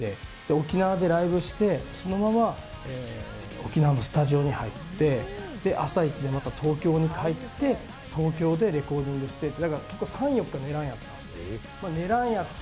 沖縄でライブしてそのまま沖縄のスタジオに入って朝一でまた東京に帰って東京でレコーディングしてって。